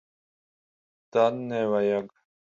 Tad nevajag.